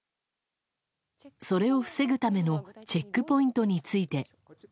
それを防ぐためのチェックポイントについて。